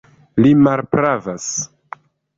Li malpravas!